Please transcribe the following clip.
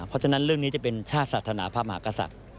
เพราะฉะนั้นเรื่องนี้จะเป็นชาติศาสนาพระมหากษัตริย์